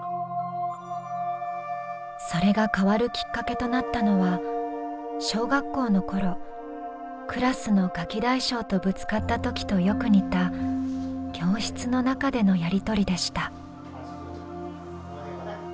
それが変わるきっかけとなったのは小学校の頃クラスのガキ大将とぶつかった時とよく似た教室の中でのやりとりでした。